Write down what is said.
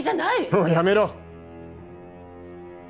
もうやめろ！